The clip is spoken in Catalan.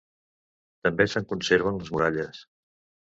També se'n conserven les muralles.